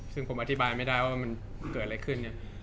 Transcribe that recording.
ซึ่งผมอธิบายไม่ได้ว่ามันเกิดอะไรขึ้นเนี่ย